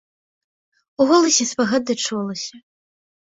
У голасе спагада чулася.